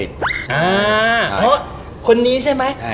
เพราะคนนี้ใช่ไหม